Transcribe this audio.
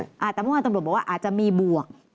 แต่เมื่อวานตำรวจบอกว่าอาจจะมีบวก